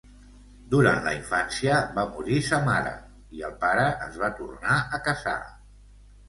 Durant la infància va morir sa mare i el pare es va tornar a casar.